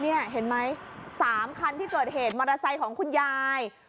นี่เห็นไหม๓คันที่เกิดเหตุมอเตอร์ไซค์ของคุณยาย